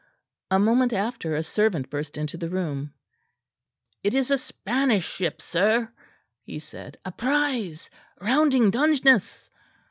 A moment after a servant burst into the room. "It is a Spanish ship, sir," he said, "a prize rounding Dungeness."